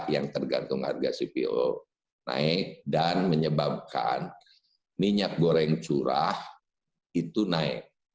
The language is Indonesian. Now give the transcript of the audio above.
yang tergantung harga cpo naik dan menyebabkan minyak goreng curah itu naik